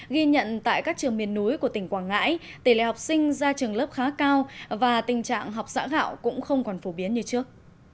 ghi nhận tại các trường miền núi của tỉnh quảng ngãi tỷ lệ học sinh ra trường lớp khá cao và tình trạng học giã gạo cũng không còn phổ biến như trước